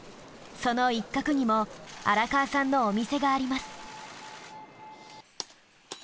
その一角にも荒川さんのお店があります。